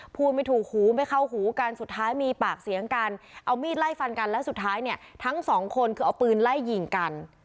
ไม่ถูกหูไม่เข้าหูกันสุดท้ายมีปากเสียงกันเอามีดไล่ฟันกันแล้วสุดท้ายเนี่ยทั้งสองคนคือเอาปืนไล่ยิงกัน